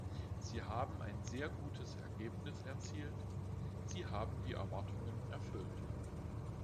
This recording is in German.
Sie haben ein sehr gutes Ergebnis erzielt, Sie haben die Erwartungen erfüllt.